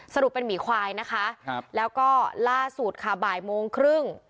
สรุปเป็นหมีควายนะคะครับแล้วก็ล่าสุดค่ะบ่ายโมงครึ่ง